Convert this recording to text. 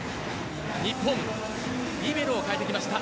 日本、リベロを代えてきました。